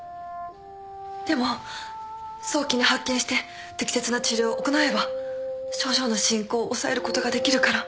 でも早期に発見して適切な治療を行えば症状の進行を抑えることができるから。